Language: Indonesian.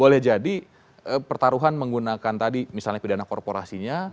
boleh jadi pertaruhan menggunakan tadi misalnya pidana korporasinya